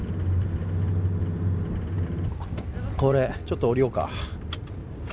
これ、ちょっと降りようか。